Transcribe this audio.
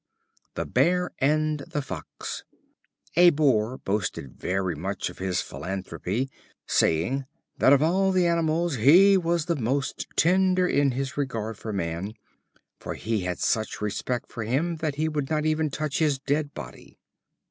The Bear and the Fox. A bear boasted very much of his philanthropy, saying "that of all animals he was the most tender in his regard for man, for he had such respect for him, that he would not even touch his dead body."